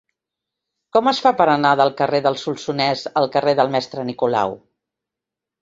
Com es fa per anar del carrer del Solsonès al carrer del Mestre Nicolau?